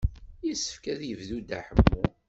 Yessefk ad yebdu Dda Ḥemmu.